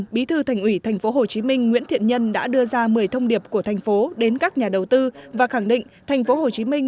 bí thư thành hủy thành phố hồ chí minh nguyễn thiện nhân đã đưa ra một mươi thông điệp của thành phố đến các nhà đầu tư và khẳng định thành phố hồ chí minh